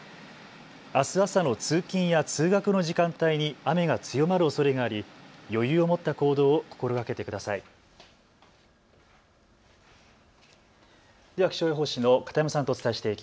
あす朝の通勤や通学の時間帯に雨が強まるおそれがあり、余裕を持った行動を心がけてください。